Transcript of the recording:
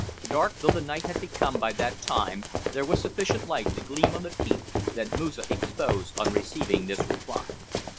Dark though the night had become by that time, there was sufficient light to gleam on the teeth that Moosa exposed on receiving this reply.